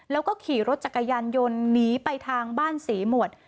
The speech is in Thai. แล้วก็ขี่รถจักรยานยนต์หนีไปทางบ้านศรีหมวด